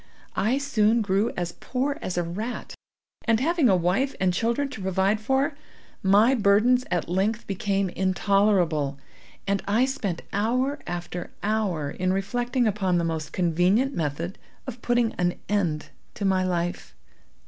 I soon grew as poor as a rat, and, having a wife and children to provide for, my burdens at length became intolerable, and I spent hour after hour in reflecting upon the most convenient method of putting an end to my life.